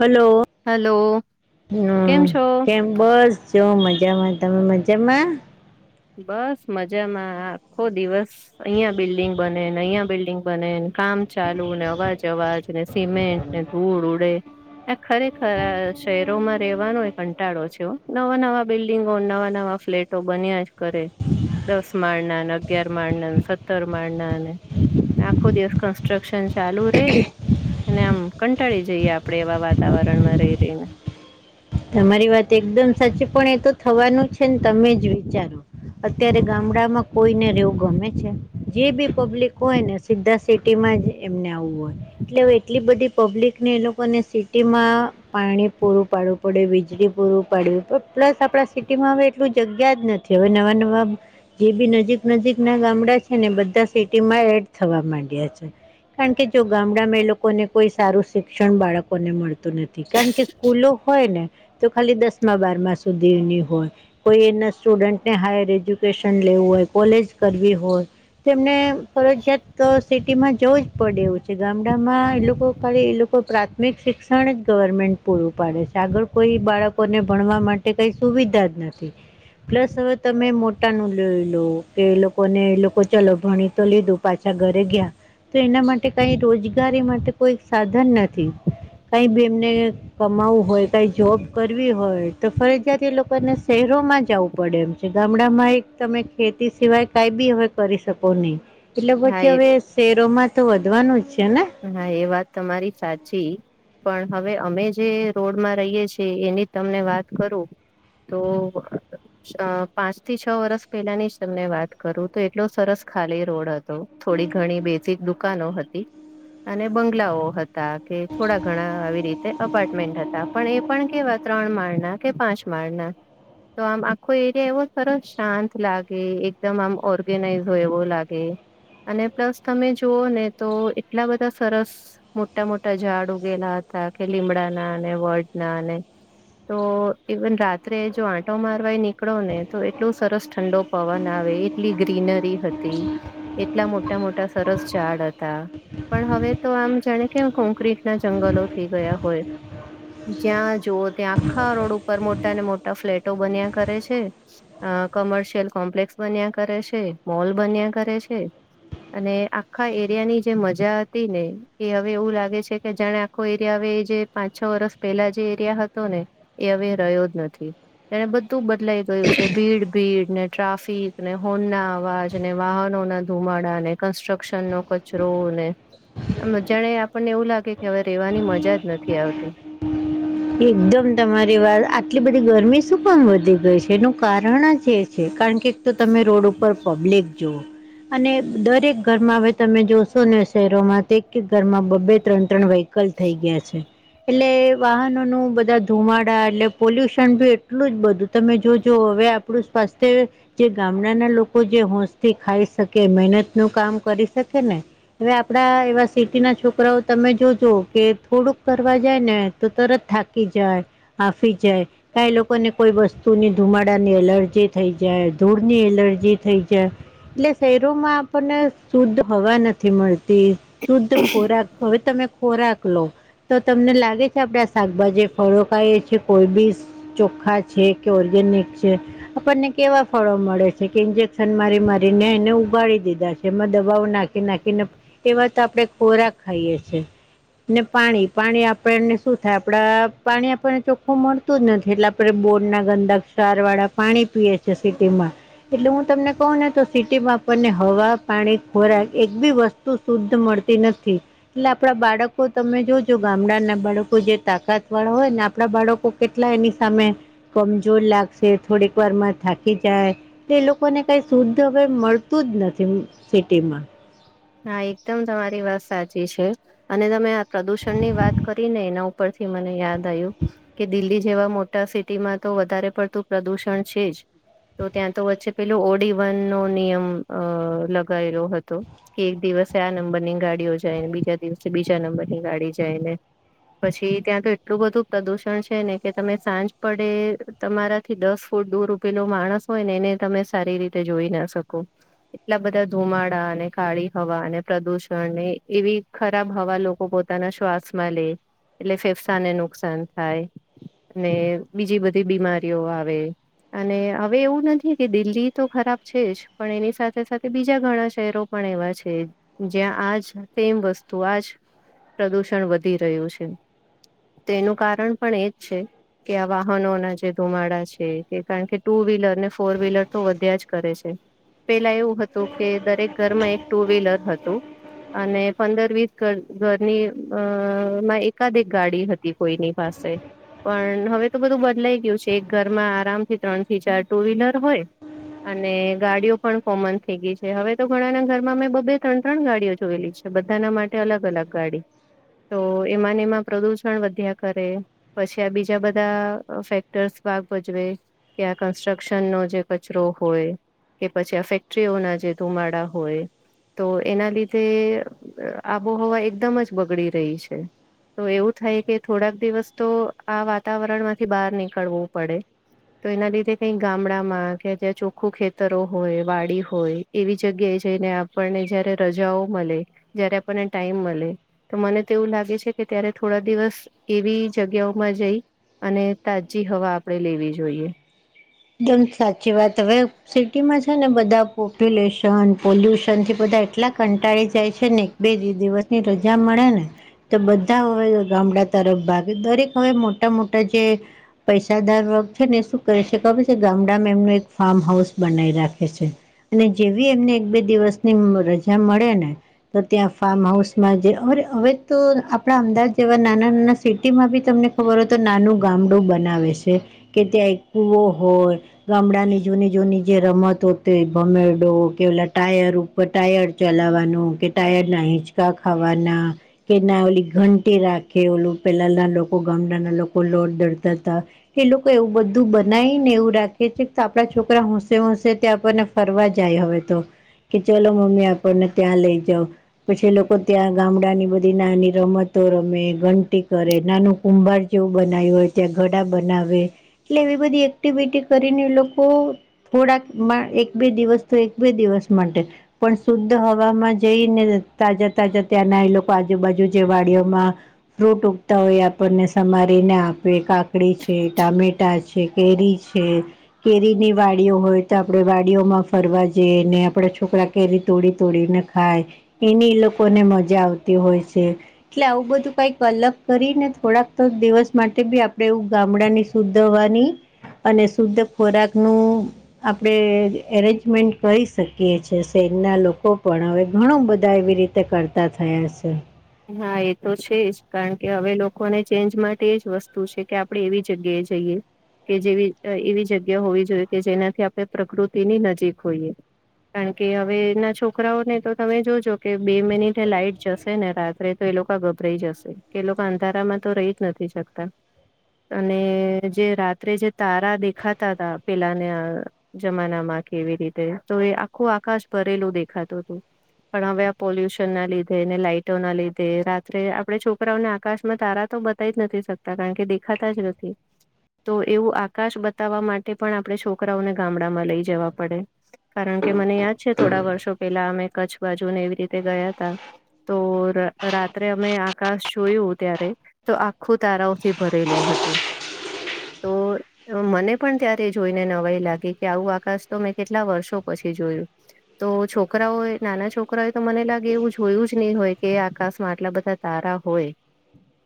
Hello hello હમ્મ કેમ છો કેમ બસ જો મજામાં તમે મજામાં બસ મજામાં આખો દિવસ અહં બિલ્ડિંગ બને અહં બિલ્ડીિંગ બને કામ ચાલુ ને અવાજ અવાજને સિમેન્ટ ને ધૂળ ઉડે આ ખરેખર શહેરોમાં રેવાનો કંટાળો છેહો નવા નવા બિલ્ડીંગો નવા નવા ફ્લેટો બન્યાજ કરે દસ માળના ને અગિયાર માળના સત્તર માળના ને આખો દિવસ કન્સ્ટ્રક્સન ચાલુ રે અને આમ કંટાળી જઈએ આપણે એવા વાતાવરણમાં રહી રહીને. તમારી વાત એકદમ સાચી પણ એ તો થવાનું છે ને તમે જ વિચારો. અત્યારે ગામડામાં કોઈને રેવું ગમે છે જે બી પબ્લિક હોય ને સીધા સિટી માં જ એમને આવું હોય. એટલે એટલી બધી પબ્લિક ને એ લોકોને સિટી માં પાણી પૂરું પાડુ પડે વીજળી પૂરું પાડ્યું પ્લસ આપણા સિટીમાં હવે એટલું જગ્યા જ નથી હવે નવા નવા જે બી નજીક નજીક ના ગામડા છે ને બધા સિટીમાં એડ થવા માંડ્યા છે. કારણ કે જો ગામડામાં એ લોકોને કોઈ સારું શિક્ષણ બાળકોને મળતું નથી કારણ કે સ્કૂલો હોય ને તો ખાલી દસમા બારમા સુધીની હોય. કોઈ એના સ્ટુડન્ટને હાયર એજ્યુકેશન લેવું હોય કોલેજ કરવી હોય. તેમને ફરજિયાત સિટીમાં જોવું જ પડે એવું છે ગામડામાં એ લોકો ખાલી એ લોકો પ્રાથમિક શિક્ષણ જ ગવર્મેન્ટ પૂરું પાડે છે આગળ કોઈ બાળકોને ભણવા માટે કઈ સુવિધા જ નથી પ્લસ હવે તમે મોટા નું લઈ લો કે એ લોકોને એ લોકો ચલો ભણી તો લીધું પાછા ઘરે ગયા તો એના માટે કઈ રોજગારી માટે કોઈ સાધન નથી. કઈ ભી એમને કમાવું હોય કાંઈ જોબ કરવી હોય તો ફરજિયાત એ લોકોને શહેરોમાં જવું પડે એમ છે ગામડામાં એક તમે ખેતી સિવાય કઈ બી હવે કરી શકો નહી. એટલે હા પછી એ હવે શેરોમાં તો વધવાનું જ છે ને હા એ વાત તમારી સાચી પણ હવે અમે જે રોડમાં રહીએ છીએ એની તમને વાત કરું તો પાંચ થી છ વર્ષ પહેલાની જ તમને વાત કરું તો એટલો સરસ ખાલી રોડ હતો થોડી ઘણી બેઝિક દુકાનો હતી અને બંગલાઓ હતા કે થોડા ઘણા આવી રીતે અપાર્ટમેન્ટ હતા પણ એ પણ કેવા ક ત્રણ માળના કે પાંચ માળના તો આમ આખો એરિયા એવો સરસ શાંત લાગે એકદમ આમ ઓર્ગેનાઈઝ હોય એવો લાગે અને પ્લસ તમે જુઓ ને તો એટલા બધા સરસ મોટા મોટા ઝાડ ઉગેલા હતા કે લીમડાના અને વડના અને તો ઈવન રાત્રે જો આંટો મારવા નીકળો ને તો એટલોું સરસ ઠંડો પવન આવે એટલી ગ્રીનરી હતી એટલા મોટા મોટા સરસ ઝાડ હતા પણ હવે તો આમ જાણે કે કોંક્રટ ના જંગલો થઈ ગયા હોય જ્યાં જુવ ત્યાં આખા રોડ ઉપર મોટા ને મોટા ફ્લેટો બન્યા કરે છે. અ કોમર્શિયલ કોમ્પ્લેક્સ બન્યા કરે છે મોલ બન્યા કરે છે અને આખ્ખા એરિયાની જે મજા હતી ને એ હવે એવું લાગે છે કે જાણે આખો એરિયા હ એ જે પાંચ છ વર્ષ પેલા જે એરિયા હતો ને એ હવે રહ્યો જ નથી એને બધું બદલાઈ ગયું છે ભીડ ભીડ ને ટ્રાફિક ને હોન ના અવાજ વાહનો ના ધુમાડાને કન્સ્ટ્રક્શન નચ રોવું ને આ મજાને આપણને એવું લાગે કે હવે રેવાની મજા જ નથી આવતી એકદમ તમારી વાત આટલી બધી ગરમી શું પણ વધી ગઈ છે એનું કારણ જ એ છે કારણ કે એક તો તમે રોડ ઉપર પબ્લિક જુઓ અને દરેક ઘરમાં હવે તમે જોશો ને શહેરોમાં તે ઘરમાં બબ્બે ત્રણ ત્રણ વાય કલ થઈ ગયા છે એટલે વાહનો નું બધા ધુમાડા એટલે પોલ્યુશન બી એટલું જ બધું તમે જોજો હવે આપણું સ્વાસ્થ્ય જે ગામડાના લોકો જે હોશ થી ખાઈ શકે મહેનત નું કામ કરી શકે ને હવે આપડા એવા સિટી ના છોકરાઓ તમે જોજો કે થોડુંક કરવા જાય ને તો તરત થાકી જાય આફી જાય કાઈ લોકોને કોઈ વસ્તુની ધુમાડાની એલર્જી થઈ જાય ધૂળની એલર્જી થઈ જાય એટલે શહેરોમાં આપણને શુદ્ધ હવા નથી મળતી શુદ્ધ ખોરાક હવે તમે ખોરાક લો તો તમને લાગે છે આપડા શાકભાજી ફળો ખાઈએ છે કોઈ બી ચોખ્ખા છે કે ઓર્ગેનિક છે આપણને કેવા ફળો મળે છે કે ઇન્જેક્શન મારી મારીને એને ઉગાડી દીધા છે એમાં દવાઓ નાખ ખી નાખી ને એવા તો આપડે ખોરાક ખાઈએ છે. ને પાણી પાણી આપણને સુ આપડા પાણી આપણને ચોખ્ખું મળતું જ નથી એટલે આપણે બોર્ડ ના ગંદા ક્ષાર વાળા પાણી પીએ જે સિટીમાં એટલે હું તમને કહું ને તો સિટીમાં આપને હવા પાણી ખોરાક એક બી વસ શુ શુદ્ધ મળતી નથી લા આપડા બાળકો તમે જોજો ગામડા ના બાળ જે તાકાત વાળા હોય ને આપડા બાળકો કેટલાય એની સામે કમજોર લાગશે થોડીક વાર માં થાકી જાય તે લોકોને કઈ શુદ્ધ હવે મળતું જ નથી સિટીમાં હા એકદમ તમારી વાત સાચી છે અને તમે આ પ્રદુષણ ની વાત કરી ને એના ઉપ પરથી મને યાદ આયુ કે દિલ્હી જેવા મોટા સિટીમાં તો વધારે પડતું પ્રદુષણ છે જ તો ત્યાં તો વચ્ચે પેલો ઓડી વન નો નિયમ અ લગાયેલો હતો. એક દિવસે આ નંબર ની ગાડીઓ જાયને બીજા દિવસે બીજા નંબરની ગાડી જાય ને. પછી ત્યાં તો એટલું બધું પ્રદુષણ છે ને કે તમે સાંજ પડે. તમારાથી દસ ફૂટ દૂર ઉભેલો માણસ હોય ને એને તમે સારી રીતે જોઈ ના શકો. એટલા બધા ધુમાડા અને. કાળી હવા અને પ્રદુષણ ને એવી ખરાબ હવા લોકો પોતાના શ્વાસમાં લે. એટલે ફેફસાને નુકસાન થાય ને બીજી બધી બીમારીઓ આવે. અને હવે એવું નથી કે દિલ્હી તો ખરાબ છે જ પણ એની સાથે સાથે બીજા ઘણા શહેરો પણ એવા છે જ્યાં આજ સેમ વસ્તુ આજ. પ્રદૂષણ વધી રહ્યું છે તેનું કારણ પણ એજ છે. કે આ વાહનો ના જે ધુમાડા છે કે કારણ કે ટુ વ્હીલર ને ફોર વ્હીલર તો વધ્યા જ કરે છે. પેલા એવું હતું કે દરેક ઘરમાં એક ટુ વ્હીલર હતું. અને પંદર વીસ ઘર ઘરની અ માં એકાદ એક ગાડી હત તી કોઈ ની પાસે. પણ હવે તો બધું બદલાઈ ગયું છે એક ઘરમાં આરામથી ત્રણ થી ચાર ટુ વ્હીલર હોય. અને ગાડીઓ પણ કોમન થઈ ગઈ છે હવે તો ઘણાના ઘરમાં મેં બબ્બે ત્રણ ત્રણ ગાડીઓ જોયેલી છે બધાના માટે અલગ અલગ ગાડી. તો એમાં નેમાં પ્રદુષણ વધ્યા કરે. પછી આ બીજા બધા અ ફેક્ટર્સ ભાગ ભજવે. કે આ કન્સ્ટ્રક્શનનો જે કચરો હોય કે પછી આ ફેક્ટરીઓના જે. ધુમાડા હોય. તો એના લીધે આબોહવા એકદમ જ બગડી રહી છે. તો એવું થાય કે થોડાક દિવસ તો આ વાતાવરણ માંથી બહાર નીકળવું પડે. તો એના લીધે કઈક ગામડામાં કે જ્યા ચોખ્ખું ખેતરો હોય, વાડી હોય. એવી જગ્યાએ જઈને આપણને જયારે રજાઓ મલે જયારે આપણને ટાઈમ મલે. તો મને તો એવું લાગે છે કે ત્યારે થોડા દિવસ એવી જગ્યાઓમાં જઈ. અને તાજી હવા આપડે લેવી જોઈએ. દમ સાચી વાત હવે. સિટીમાં છે ને બધા પોપ્યુલેશન પોલ્યુશનથી બધા એટલા કંટાળી જાય છે ને. બે દિ-દિવસ ની રજા મળે ને. તો બધા હવે ગામડા તરફ ભાગે દરેક હવે મોટા મોટા જે પૈસાદાર વર્ગ છે ને શું કરે છે ખબર. તે ગામડામાં એમનું એક ફાર્મ હાઉસ બનાવી રાખે છે. અને જેવી એમને એક બે દિવસની રજા મળે ને. તો ત્યાં ફાર્મ હાઉસમાં જે અરે હવે તો આપણા અમદાવાદ જેવા નાના નાના સિટી માં બી તમને ખબર હો તો નાનું ગામડું બનાવે છે કે ત્યાં એક કુવો હોય. ગામડાની જૂની જૂની જે રમત હોતી ભમેડો કે ઓલા ટાયર. કો ટાયર જલાવવાનું કે ટાયર ના હિંચકા ખાવાના. કે ના ઓલી ઘંટી રાખે ઓલું પેલા ના લોકો ગામડાના લોકો લોટ દડતા હતા. એ લોકો એવું બધું બનાઈ. ને એવું રાખીએ છે તો આપડા છોકરા હોશે હોશે ત આપણને ફરવા જાય હવે તો. કે ચલો મમ્મી આપણને ત્યાં લઈ જ‌ઉ. પછી એ લોકો ત્યાં ગામડા ની બધી નાની રમતો રમે ઘંટી કરે નાનું કુંભાર જેવું બનાવ્યું હોય ત્યાં ઘડા બનાવે એટલે એવી બધી એક્ટિવિટી કરીને લોકો થોડાક એક બે દિવસ તો એક બે દિવસ માટે. પણ શુદ્ધ હવામાં જઈ ને તાજા તાજા ત્યાંના એ લોકો આજુબાજુ જે વાડીઓમાં. ફ્રૂટ ઉગતા હોય આપણને સમારીને આપે કાકડી છે ટામેટા છે કેરી કેરી ની વાડીઓ હોય તો આપણે વાડીઓમાં ફરવા જઈ ને આપડા છોકરા. કેરી તોડી તોડીને ખાય એની એ લોકોને મજા આવતી હોય છે. એટલે આવું બધું કઈક અલગ કરીને થોડાક તો દિવસ માટે બી આપણે એવું ગામડા ની સુધ હવાની અને શુદ્ધ ખોરાક નું. આપણેે એરેન્જમેન્ટ કરી શકીએ છેએ શહેરના લોકો પણ હવે ઘણું બધા એવી રીતે તે કરતા થયા છે. હા એ તો છે જ કારણ કે હવે લોકોને ચેન્જ માટે એ જ વસ્તુ છે કે આપણે એવી જગ્યાએ જઈએ. કે જેવી એવી જગ્યા હોવી જોઈએ કે જેનાથી આપણે પ્રકૃતિની નજીક હોઈએ. કારણ કે હવે એના છોકરાઓને તો તમે જોજો કે બે મિનિટે લાઈટ જશે ને રાત. તો એ લોકો ગભરાઈ જશે કે લોકો અંધારામાં તો રહી જ નથી શકતા. અને જે રાત્રે જે તારા દેખાતા હતા પેલાને. જમાના માં કેવી રીતે તો એ આખું આકાશ ભરેલું દેખાતું હતું. પણ હવે આ પોલ્યુશન ના લીધે ને લાઈટો ના લીધે. તે રાત્રે આપડણે છોકરાઓને આકાશમાં તારા તો બતાવી નથી શકતા કારણ કે દેખાતા જ નથી. તો એવું આકાશ બતાવવા માટે પણ આપણે છોકરાઓને ગામડામાં લઈ જવા પડે. કારણ કે મને યાદ છે થોડા વર્ષો પહેલા અમે કચ્છ બાજુને એવી રીતે ગયા હતા. તોર. રાત્રે અમે આકાશ જોયું ત્યારે તો આખું તારાઓથી ભરેલું હતું. તો. મને પણ ત્યારે જોઈને નવાઈ લાગી કે આવું આકાશ તો મેં કેટલા વર્ષો પછી જોયું. તો છોકરાઓ નાના છોકરાય તો મને લાગે એવું જોયું જ નહી હોય કે આકાશ આટલા બધા તારા હોય.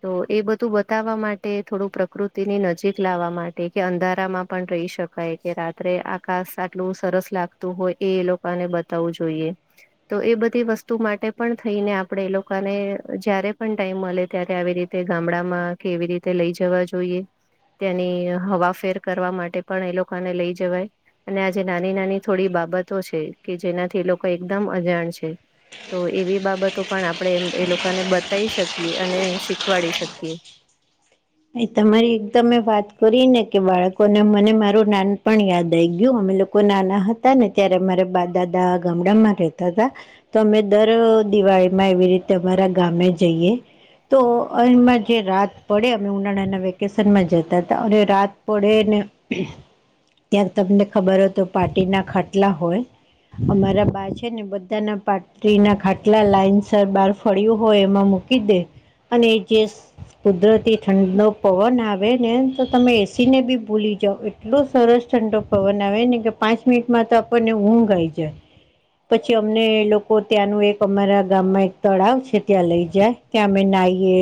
તો એ બધું બતાવવા માટે થોડું પ્રકૃતિની નજીક લાવવા માટે કે અંધારામાં પણ રહી શકે. ક કે રાત્રે આકાશ આટલું સરસ લાગતું હોય એ એ લોકોને બતાવવું જોઈએ તો એ બધી વસ્તુ માટે પણ થઈને આપણેે એ લોકો. પપ્પાને જયારે પણ ટાઈમ મળે ત્યારે આવી રીતે ગામડામાં કે એવી રીતે લઈ જવા જોઈએ. ત્યાંની હવાફેર કરવા માટે પણ એ લોકોને લઈ જવાય. અને આજે નાની નાની થોડી બાબતો છે કે જેનાથી એ લોકો એકદમ અજાણ છે તો એવી બાબતો પણ આપણે એમ એ લોકોને બતાવી શકીએ અને શીખવાડી શકીએ. એ તમારી એકદમે વાત કરી ને કે બાળકોને મને મારું નાન પણ યાદ આવી ગયું અમે લોકો. કો નાના હતા ને ત્યારે મારા બાદાદા ગામડામાં રહેતા હતા. તો અમે દર દિવાળીમાં એવી રીતે અમારા ગામે જઈએ. તો એમાં જે રાત પડે. ઉનાળાના વેકેશન માં જતા હતા અને રાત પડેને. ત્યાં તમને ખબર હોય તો પાટીના ખાટલા હોય. અમારા બા છે ને બધાના પાટરીના ખાટલા લાઈન સર બહાર ફળ્યું હોય એમાં મૂકી કીધે અને જે કુદરતી ઠંડનો પવન આવે ને તો તમે એસીને બી ભૂલી જાઓ એટલો સરસ ઠંડો પવન આવે ને કે પાંચ મિનિટમાં તો આપણને ઊંઘ આવી જાય. પછી અમને લોકો ત્યાંનું એક અમારા ગામમાં એક તળાવ છે ત્યાં લઈ જાય. ત્યાં અમે નાઈએ.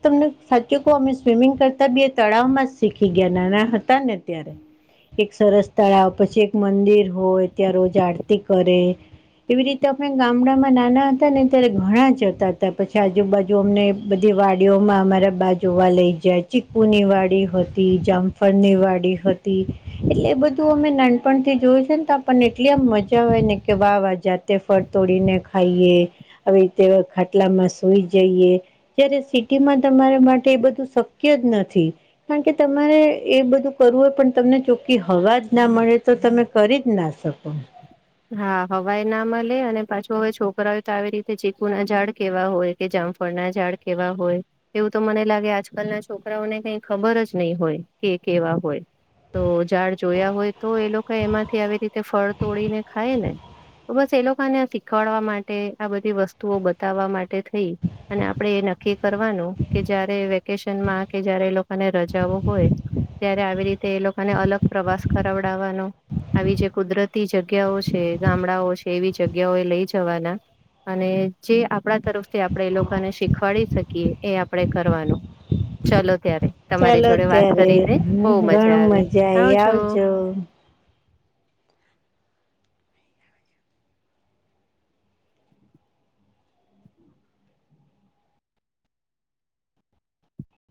તમને કે કો અમે સ્વિમિંગ કરતા બી તળાવમાં જ શીખી ગયા નાના હતા ને અત્યારે. એક સરસ તળાવ પછી એક મંદિર હોય, ત્યાં રોજ આરતી કરે. એવી રીતે અમે ગામડામાં નાના હતા ને ત્યારે ઘણા જતા હતા. પછી આજુબાજુ અમને બધી વાડીઓમાં અમારા બાજુ જોવા લઈ જાય. ચીકુની વાડી હતી, જામફળની વાડી હતી. એટલે એ બધું અમે નાનપણથી જોય છે ને તો પણ એટલી આમ મજા આવેય ને કે વાહ વાહ જાત તે ફળ તોડીને ખાઈએ. હવે, તેવા ખાટલામાં સૂઈ જઈએ. જયારે સિટીમાં તમારે માટે એ બધું શક્ય જ નથી. કારણ કે તમારે એ બધું કરવું હોય પણ તમને ચોખ્ખી હવાજ ના મળે તો તમે કરી જ ના શકો? હા, હવાઈના મળે અને પાછું હવે છોકરાઓ તો આવી રીતે ચીકુના ઝાડ કેવા હોય? કે જામફળના ઝાડ કેવા હોય. એવું તો મને લાગે આજકાલના છોકરાઓને કઈ ખબર જ નહી હોય કે કેવા હોય. તો ઝાડ જોયા હોય તો એ લોકો એમાંથી આવી રીતે ફળ તોડીને ખાય ને બસ એ લોકોને શીખવાડવા માટે આ બધી વસ્તુઓ બતાવવા માટે થઈ. અને આપણેે એ નક્કી કરવાનું કે જયારે વેકેશનમાં કે જયારે એ લોકોને રજાઓ હોય. ત્યારે આવી રીતે એ લોકોને અલગ પ્રવાસ કરાવડાવવાનો આવી જે કુદરતી જગ્યા જગ્યાઓ છે. ગામડાઓ છે, એવી જગ્યાઓ એ લઈ જવાના અને જે આપણા તરફથી આપણે એ લોકોને શીખવાડી શકીએ. એ આપણે કરવાનુ ચલો ત્યારે. તમારી ચાલો જોડે વાત ત્યારે કરીને બહુ મજા ઘણું આવી. આવી આવજો